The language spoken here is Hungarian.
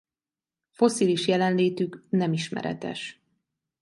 Fosszilis jelenlétük nem ismeretes.